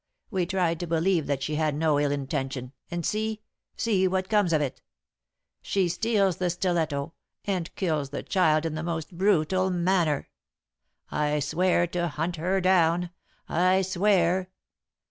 We tried to believe that she had no ill intention, and see see what comes of it. She steals the stiletto, and kills the child in the most brutal manner. I swear to hunt her down. I swear